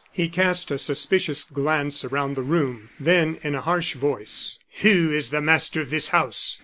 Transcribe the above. He cast a suspicious glance around the room, then, in a harsh voice: "Who is the master of this house?"